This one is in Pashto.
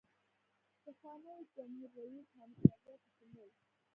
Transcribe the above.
پخواني جمهورریس حامدکرزي په شمول.